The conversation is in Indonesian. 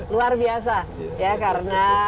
luar biasa karena